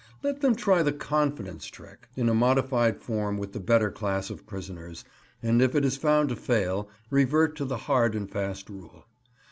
Let them try the "confidence trick" in a modified form with the better class of prisoners, and if it is found to fail, revert to the hard and fast rule.